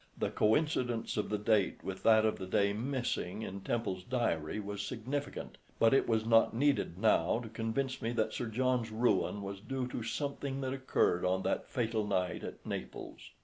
The coincidence of the date with that of the day missing in Temple's diary was significant, but it was not needed now to convince me that Sir John's ruin was due to something that occurred on that fatal night at Naples.